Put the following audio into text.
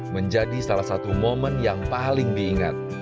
menjadi salah satu momen yang paling diingat